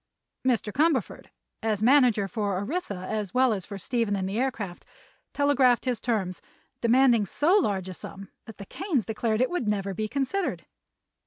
Mr. Cumberford, as manager for Orissa as well as for Stephen and the aircraft, telegraphed his terms, demanding so large a sum that the Kanes declared it would never be considered.